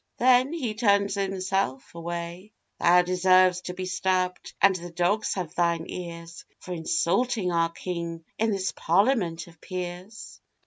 then he turned himself away; 'Thou deserves to be stabbed, and the dogs have thine ears, For insulting our King in this Parliament of peers.